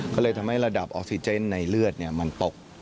ก็เลยทำให้ระดับออกซิเจนในเลือดมันตก